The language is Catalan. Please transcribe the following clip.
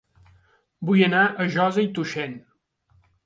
Vull anar a Josa i Tuixén